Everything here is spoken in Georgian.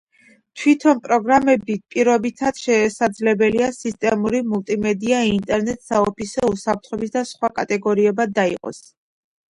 თვითონ პროგრამები პირობითად, შესაძლებელია: სისტემური, მულტიმედია, ინტერნეტ, საოფისე, უსაფრთხოების და სხვა კატეგორიებად დაიყოს.